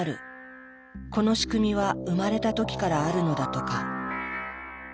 この仕組みは生まれた時からあるのだとか。